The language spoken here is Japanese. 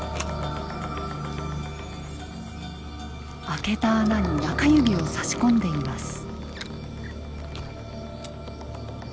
開けた穴に中指を差し込んでいます。